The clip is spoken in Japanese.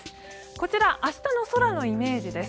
こちら明日の空のイメージです。